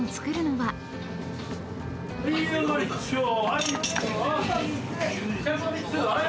はい。